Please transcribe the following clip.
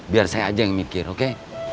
biar saya aja yang mikir oke